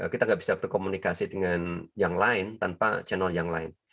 kita nggak bisa berkomunikasi dengan yang lain tanpa channel yang lain